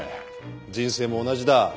人生も同じだ。